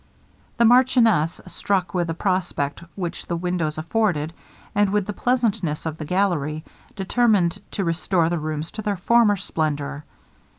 The marchioness, struck with the prospect which the windows afforded, and with the pleasantness of the gallery, determined to restore the rooms to their former splendour.